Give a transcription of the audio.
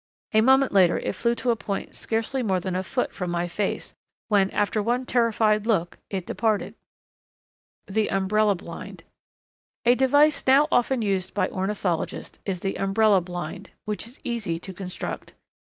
A moment later it flew to a point scarcely more than a foot from my face, when, after one terrified look, it departed. [Illustration: A ferocious young eagle] The Umbrella Blind. A device now often used by ornithologists is the umbrella blind, which is easy to construct.